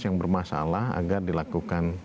yang bermasalah agar dilakukan